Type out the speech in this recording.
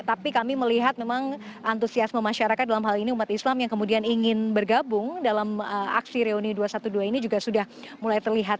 tapi kami melihat memang antusiasme masyarakat dalam hal ini umat islam yang kemudian ingin bergabung dalam aksi reuni dua ratus dua belas ini juga sudah mulai terlihat